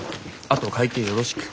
あと会計よろしく。